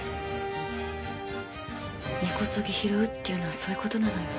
根こそぎ拾うっていうのはそういうことなのよ。